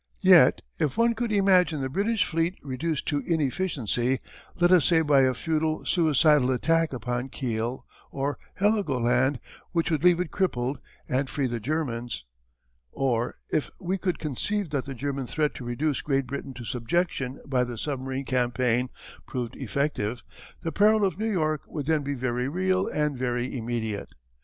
Yet if one could imagine the British fleet reduced to inefficiency, let us say by a futile, suicidal attack upon Kiel or Heligoland which would leave it crippled, and free the Germans, or if we could conceive that the German threat to reduce Great Britain to subjection by the submarine campaign, proved effective, the peril of New York would then be very real and very immediate.